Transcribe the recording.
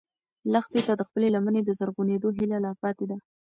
لښتې ته د خپلې لمنې د زرغونېدو هیله لا پاتې ده.